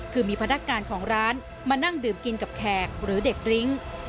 คือมีพนักงานของร้านมานั่งดื่มกินกับแขกหรือเด็กริ้ง